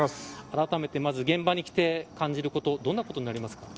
あらためて現場に来て感じることどんなことになりますか。